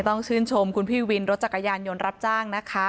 ต้องชื่นชมคุณพี่วินรถจักรยานยนต์รับจ้างนะคะ